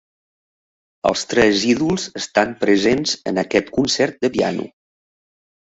Els tres ídols estan presents en aquest concert de piano.